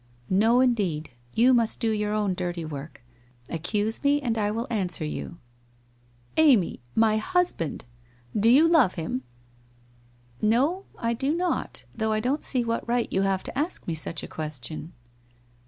' Xo, indeed. You must do your own dirty work. Ac cuse me, and I will answer you.' ' Amy — my husband — do you love him ?'' Xo, I do not, though I don't see what right you have to ask me such a question.'